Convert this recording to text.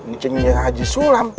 ncingisinya aji sulam